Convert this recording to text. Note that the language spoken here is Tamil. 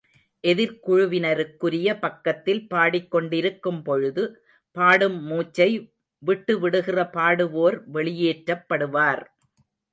எதிர்க்குழுவினருக்குரிய பக்கத்தில் பாடிக் கொண்டிருக்கும்பொழுது, பாடும் மூச்சை விட்டுவிடுகிற பாடுவோர் வெளியேற்றப்படுவார்.